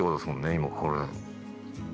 今これ。